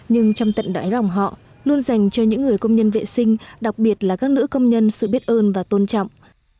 nhưng trong tận đáy lòng họ luôn dành cho những người công nhân vệ sinh đặc biệt là các nữ công nhân sự biết ơn và tôn trọng